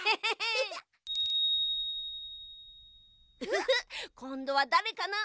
フフフッこんどはだれかな？